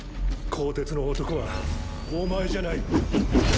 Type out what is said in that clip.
鋼鉄の男はお前じゃない。